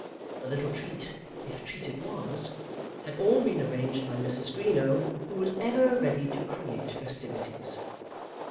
The little treat, if treat it was, had all been arranged by Mrs. Greenow, who was ever ready to create festivities.